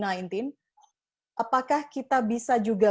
apakah kita bisa juga